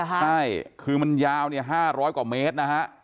ใช่คือมันยาวเนี่ยห้าร้อยกว่าเมตรนะฮะ